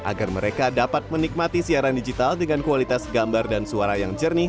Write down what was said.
agar mereka dapat menikmati siaran digital dengan kualitas gambar dan suara yang jernih